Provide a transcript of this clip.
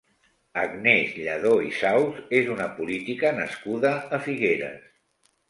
Agnès Lladó i Saus és una política nascuda a Figueres.